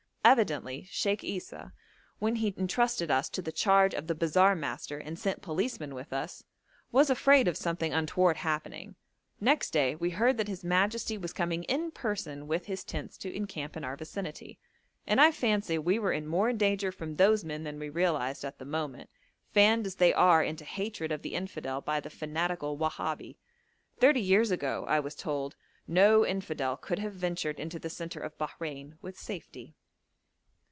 Evidently Sheikh Esau, when he entrusted us to the charge of the bazaar master and sent policemen with us, was afraid of something untoward happening. Next day we heard that his majesty was coming in person with his tents to encamp in our vicinity, and I fancy we were in more danger from those men than we realised at the moment, fanned as they are into hatred of the infidel by the fanatical Wahabi; thirty years ago, I was told, no infidel could have ventured into the centre of Bahrein with safety.